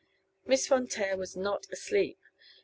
Miss Von Taer was not asleep.